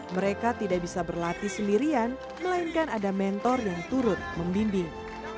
mereka tidak bisa berlatih sendirian melainkan ada mentor yang turut membimbing